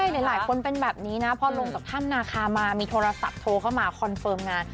หลายคนเป็นแบบนี้นะพอลงจากถ้ำนาคามามีโทรศัพท์โทรเข้ามาคอนเฟิร์มงาน